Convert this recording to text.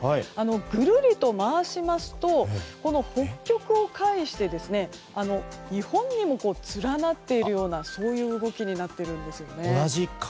ぐるりと回しますとこの北極を介して日本にも連なっているような動きになっているんですよね。